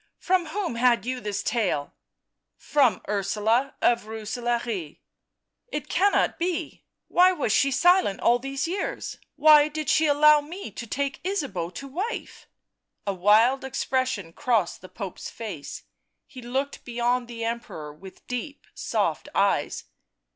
"From whom had you this tale?" " From Ursula of Rooselaare." " It cannot be ... why was she silent all these years ? why did she allow me to take Ysabeau to wife ?" A wild expression crossed the Pope's face; he looked beyond the Emperor with deep soft eyes.